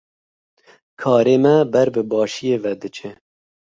Karê me ber bi başiyê ve diçe.